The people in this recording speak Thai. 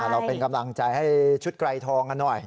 เราเป็นกำลังใจให้ชุดไกรทองกันหน่อย